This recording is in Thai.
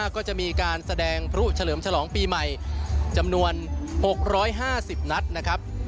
ก็จะมีการแสดงพลุเฉลิมฉลองปีใหม่จำนวน๖๕๐นัดนะครับ